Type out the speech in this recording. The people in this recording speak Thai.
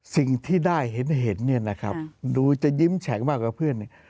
สิ่งที่ได้เห็นเนี่ยนะครับดูจะยิ้มแฉงมากกว่าเพื่อนเนี่ย